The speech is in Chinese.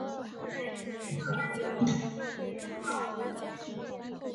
成因也大致与此相同。